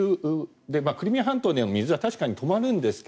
クリミア半島の水も確かに止まるんですが。